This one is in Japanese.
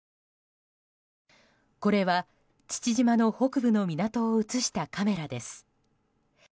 これは、父島の北部の港を映したカメラです。